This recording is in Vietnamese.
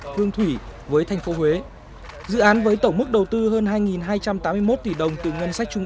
hương thủy với thành phố huế dự án với tổng mức đầu tư hơn hai hai trăm tám mươi một tỷ đồng từ ngân sách trung